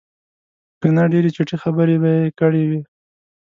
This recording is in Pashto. که نه ډېرې چټي خبرې به یې کړې وې.